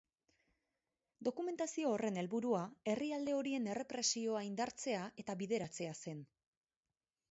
Dokumentazio horren helburua herrialde horien errepresioa indartzea eta bideratzea zen.